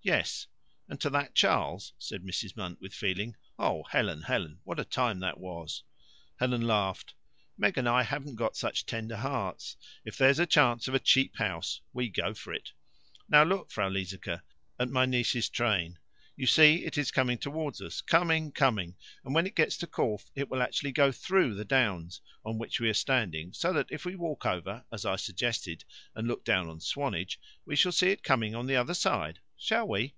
"Yes." "And to that Charles," said Mrs. Munt with feeling. "Oh, Helen, Helen, what a time that was!" Helen laughed. "Meg and I haven't got such tender hearts. If there's a chance of a cheap house, we go for it." "Now look, Frau Liesecke, at my niece's train. You see, it is coming towards us coming, coming; and, when it gets to Corfe, it will actually go THROUGH the downs, on which we are standing, so that, if we walk over, as I suggested, and look down on Swanage, we shall see it coming on the other side. Shall we?"